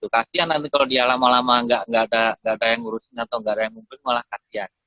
kasian nanti kalau dia lama lama nggak ada yang ngurusin atau nggak ada yang ngumpulin malah kasian